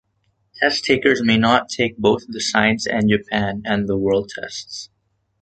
Test-takers may not take both the Science and Japan and the World tests.